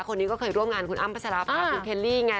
คนนี้ก็เคยร่วมงานคุณอ้ำพัชราภาคุณเคลลี่ไง